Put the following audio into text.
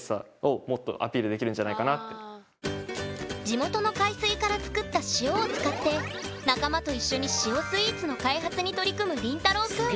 地元の海水から作った塩を使って仲間と一緒に「塩」スイーツの開発に取り組むりんたろうくん。